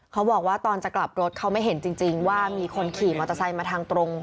เขาบอกว่าตอนจะกลับรถเขาไม่เห็นจริงว่ามีคนขี่มอเตอร์ไซค์มาทางตรง